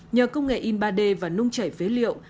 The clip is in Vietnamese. nhờ công nghệ in ba d và nung chảy phế liệu